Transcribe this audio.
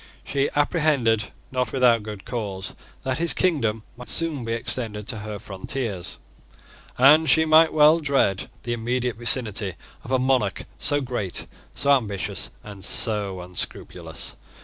She apprehended, not without good cause, that his kingdom might soon be extended to her frontiers; and she might well dread the immediate vicinity of a monarch so great, so ambitious, and so unscrupulous.